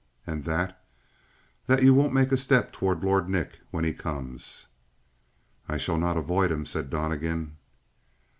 "And that?" "That you won't make a step toward Lord Nick when he comes." "I shall not avoid him," said Donnegan.